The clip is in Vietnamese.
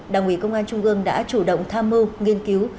đảng ủy công an trung ương đã chủ động tham mưu nghiên cứu